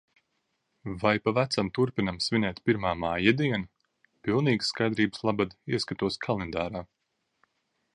Vai pa vecam turpinām svinēt Pirmā maija dienu? Pilnīgas skaidrības labad ieskatos kalendārā.